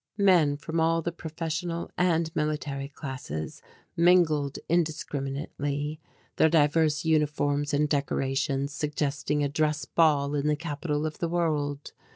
Men from all the professional and military classes mingled indiscriminately, their divers uniforms and decorations suggesting a dress ball in the capital of the world.